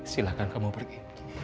silahkan kamu pergi